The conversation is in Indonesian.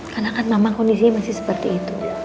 karena kan mamah kondisinya masih seperti itu